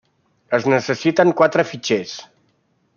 Es necessiten quatre fitxers.